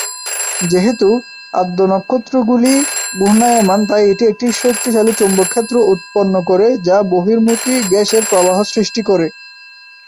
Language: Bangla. যেহেতু, আদ্যনক্ষত্রগুলি ঘূর্ণায়মান তাই এটি একটি শক্তিশালী চৌম্বক ক্ষেত্র উৎপন্ন করে যা বহির্মুখী গ্যাসের প্রবাহ সৃষ্টি করে।